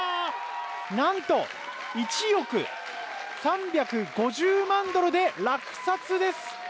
なんと１億３５０万ドルで落札です！